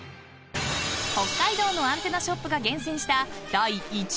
［北海道のアンテナショップが厳選した］